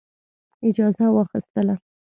اجازه واخیستله.